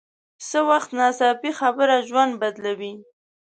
څه وخت ناڅاپي خبره ژوند بدلوي